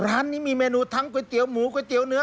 ร้านนี้มีเมนูทั้งก๋วยเตี๋ยหมูก๋วยเตี๋ยเนื้อ